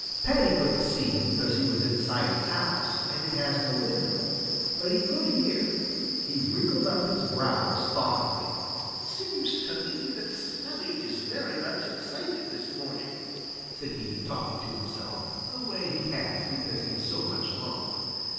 Paddy couldn't see because he was inside his house, and it has no window, but he could hear. He wrinkled up his brows thoughtfully. "Seems to me that Sammy is very much excited this morning," said he, talking to himself, a way he has because he is so much alone.